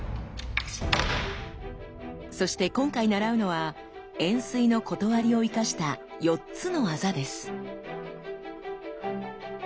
そして今回習うのは「円錐の理」を生かした４つの技です。